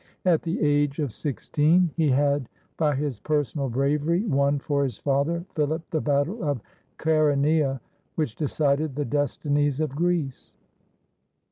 At the age of six teen, he had by his personal bravery won for his father Philip the battle of Cheroneia, which decided the destinies of Greece.